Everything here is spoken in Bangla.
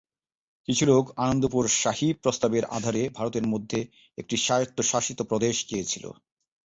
কিছু লোক আনন্দপুর সাহিব প্রস্তাবের আধারে ভারতের মধ্যে একটি স্বায়ত্বশাসিত প্রদেশ চেয়েছিল।